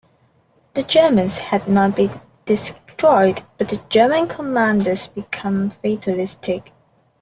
The Germans had not been destroyed but the German commanders became fatalistic.